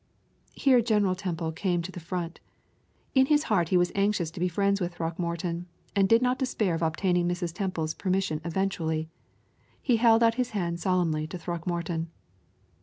Here General Temple came to the front. In his heart he was anxious to be friends with Throckmorton, and did not despair of obtaining Mrs. Temple's permission eventually. He held out his hand solemnly to Throckmorton.